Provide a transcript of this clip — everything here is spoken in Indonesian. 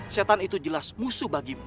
setan itu jelas musuh bagimu